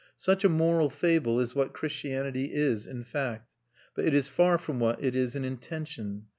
Such a moral fable is what Christianity is in fact; but it is far from what it is in intention.